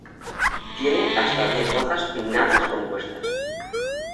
Tiene hasta diez hojas pinnadas compuestas.